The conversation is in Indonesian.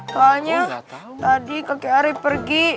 soalnya tadi kakek arief pergi